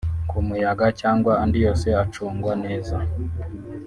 ku muyaga cyangwa andi yose acungwa neza